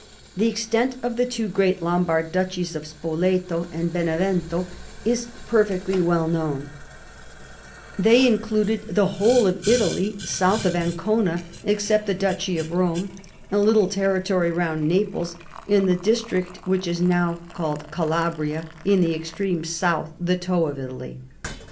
The extent of the two great Lombard duchies of Spoleto and Benevetito is perfectly well known ; they included the whole of Italy south of Ancona except the duchy of Rome, a little territory round l^aples and the district which is now called Calabria in the extreme south, the toe of Italy.